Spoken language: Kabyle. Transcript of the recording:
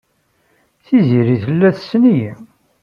Tiziri tella tessen-iyi.